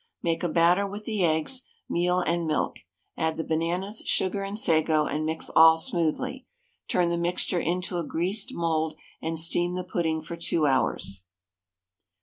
Make a batter with the eggs, meal, and milk; add the bananas, sugar, and sago, and mix all smoothly. Turn the mixture into a greased mould and steam the pudding for 2 hours.